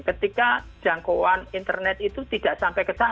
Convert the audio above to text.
ketika jangkauan internet itu tidak sampai ke sana